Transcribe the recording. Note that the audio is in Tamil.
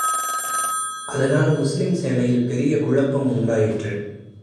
அதனால் முஸ்லிம் சேனையில் பெரிய குழப்பம் உண்டாயிற்று.